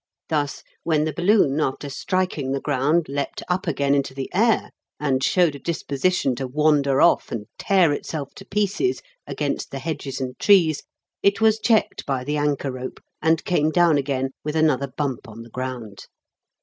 Thus, when the balloon, after striking the ground, leapt up again into the air and showed a disposition to wander off and tear itself to pieces against the hedges and trees, it was checked by the anchor rope and came down again with another bump on the ground.